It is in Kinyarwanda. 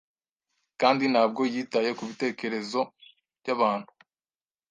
Kandi ntabwo yitaye kubitekerezo byabantu